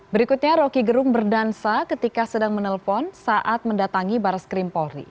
berikutnya roky gerung berdansa ketika sedang menelpon saat mendatangi baris krim polri